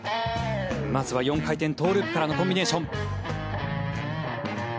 まずは４回転トウループからのコンビネーション。